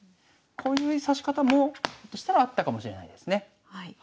こういう指し方もひょっとしたらあったかもしれないですね。